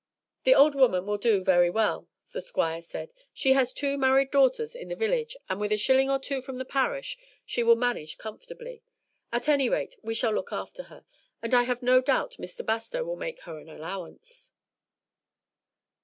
"The old woman will do very well," the Squire said. "She has two married daughters in the village, and with a shilling or two from the parish she will manage comfortably. At any rate we shall look after her, and I have no doubt Mr. Bastow will make her an allowance."